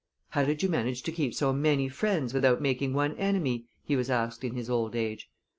"How did you manage to keep so many friends without making one enemy?" he was asked in his old age.